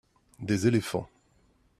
Des éléphants.